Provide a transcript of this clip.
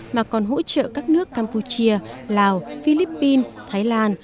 mà còn hỗ trợ các nước campuchia lào philippines thái lan